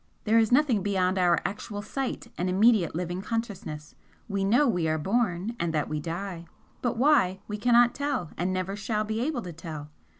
There is nothing beyond our actual sight and immediate living consciousness; we know we are born and that we die but why, we cannot tell and never shall be able to tell.